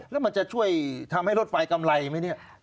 แล้วมันจะช่วยทำให้รถไฟกำไรไหมเนี่ย